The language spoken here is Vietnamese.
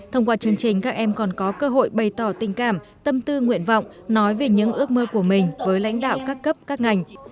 thông qua chương trình các em còn có cơ hội bày tỏ tình cảm tâm tư nguyện vọng nói về những ước mơ của mình với lãnh đạo các cấp các ngành